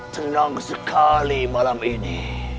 tenang sekali malam ini